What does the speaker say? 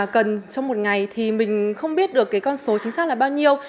cần trong một ngày thì mình không biết được cái con số chính xác là bao nhiêu